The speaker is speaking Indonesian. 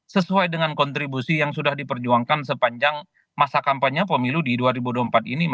sesuai dengan kontribusi yang sudah diperjuangkan sepanjang masa kampanye pemilu di dua ribu dua puluh empat ini